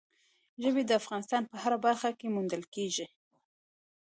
ژبې د افغانستان په هره برخه کې موندل کېږي.